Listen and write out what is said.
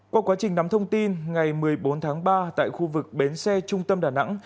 qua quá trình nắm thông tin ngày một mươi bốn tháng ba tại khu vực bến xe trung tâm đà nẵng